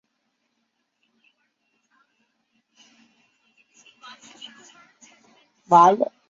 法氏口虾蛄为虾蛄科口虾蛄属下的一个种。